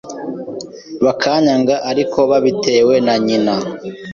bakanyanga ariko babitewe na nyina,